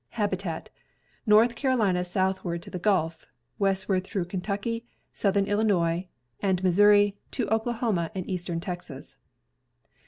Habitat, North Carolina southward to the Gulf, westward through Kentucky, southern Illinois, and IVIissouri, to Okla homa and eastern Texas.